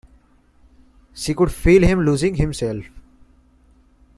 She could feel him losing himself.